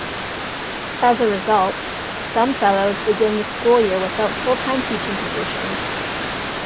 As a result, some Fellows begin the school year without full-time teaching positions.